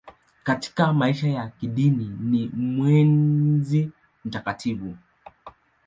Katika maisha ya kidini ni mwezi mtakatifu.